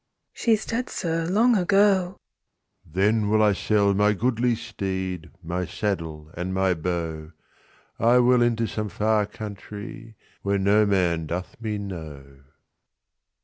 '—'She's dead, sir, long ago.'—XI'Then will I sell my goodly steed, My saddle and my bow;I will into some far countrey, Where no man doth me know.